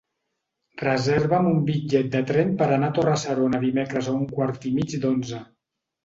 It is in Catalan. Reserva'm un bitllet de tren per anar a Torre-serona dimecres a un quart i mig d'onze.